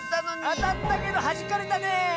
あたったけどはじかれたね。